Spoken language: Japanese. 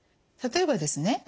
例えばですね